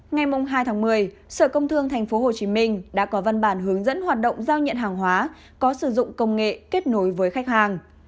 ngày hai tháng một mươi sở công thương tp hcm đã có văn bản hướng dẫn hoạt động giao nhận hàng hóa có sử dụng công nghệ kết nối với khách hàng